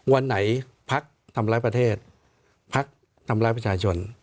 วันไหนพักทำร้ายประเทศพักทำร้ายประชาชน